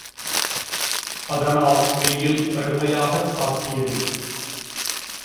அதனால் வெயில் கடுமையாகத் தாக்கியது.